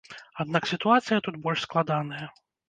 Аднак сітуацыя тут больш складаная.